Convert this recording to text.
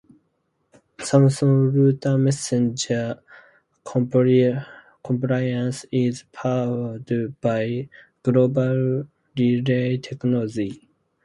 Thomson Reuters Messenger Compliance is powered by Global Relay technology.